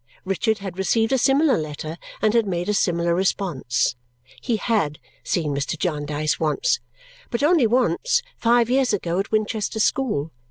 Richard had received a similar letter and had made a similar response. He HAD seen Mr. Jarndyce once, but only once, five years ago, at Winchester school.